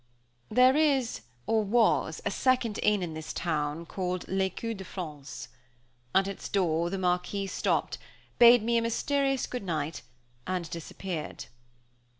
There is, or was, a second inn in this town called l'Écu de France. At its door the Marquis stopped, bade me a mysterious good night, and disappeared.